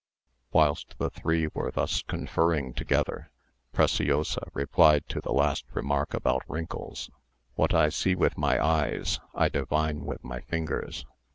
Whilst the three were thus conferring together, Preciosa replied to the last remark about wrinkles. "What I see with my eyes, I divine with my fingers.